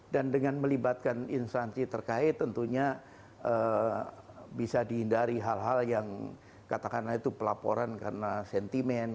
dan dengan melibatkan instansi terkait tentunya bisa dihindari hal hal yang katakanlah itu pelaporan karena sentimen